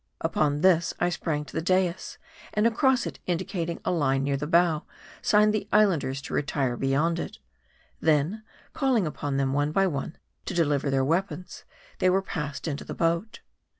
Upon this, f I sprang to the dais, and across it in dicating a line near the bow, signed the Islanders to retire beyond it. Then, calling upon them one by one to deliver their weapons, they were passed into the boat.